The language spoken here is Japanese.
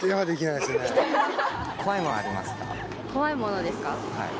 怖いモノですか？